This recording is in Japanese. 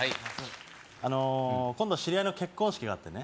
あの今度知り合いの結婚式があってね